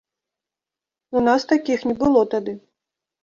У нас такіх не было тады.